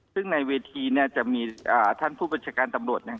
ซึ่งในเวทีเนี่ยจะมีอ่าท่านผู้บัญชาการตำรวจเนี่ย